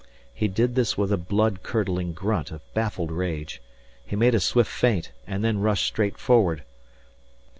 He did this with a blood curdling grunt of baffled rage. He made a swift feint and then rushed straight forward.